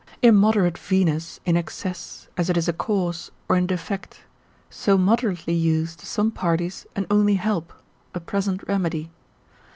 Immoderate Venus in excess, as it is a cause, or in defect; so moderately used to some parties an only help, a present remedy.